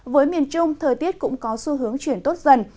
với miền trung thời tiết cũng có xu hướng chuyển tốt dần